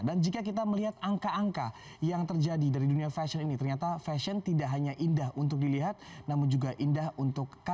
dan jika kita melihat angka angka yang terjadi dari dunia fashion ini ternyata fashion tidak hanya indah untuk dilihat namun juga indah untuk diperhatikan